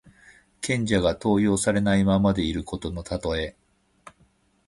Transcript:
賢者が登用されないままでいることのたとえ。